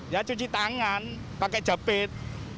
ya cuci tangan pakai jabit